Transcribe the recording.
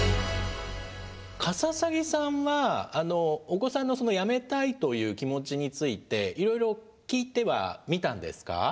カササギさんはお子さんのやめたいという気持ちについていろいろ聞いてはみたんですか？